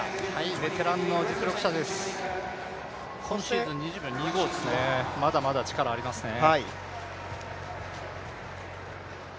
ベテランの実力者です、今シーズン２０秒２５です、まだまだ力ありますね。